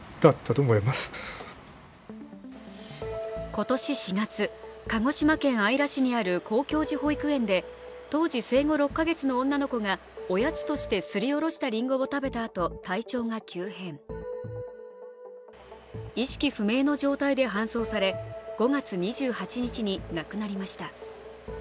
今年４月、鹿児島県姶良市にある興教寺保育園で当時生後６か月の女の子がおやつとしてすりおろしたりんごを食べたあと、体調が急変、意識不明の状態で搬送され５月２８日に亡くなりました。